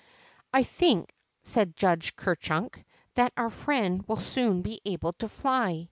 I think,'' said Judge Ker Chunk, that our friend Avill soon he able to fly.